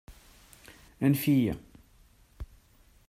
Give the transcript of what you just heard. Anef-iyi!